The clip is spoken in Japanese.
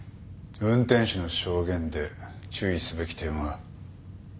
運転手の証言で注意すべき点は？